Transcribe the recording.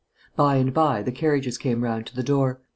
By and by the carriages came round to the door.